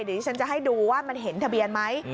เดี๋ยวที่ฉันจะให้ดูว่ามันเห็นทะเบียนไหม